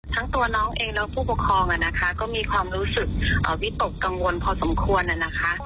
ทั้งตัวน้องเองและผู้ปกครองนะคะก็มีความรู้สึกวิตกกังวลพอสมควรนะคะ